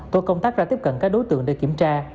tổ công tác ra tiếp cận các đối tượng để kiểm tra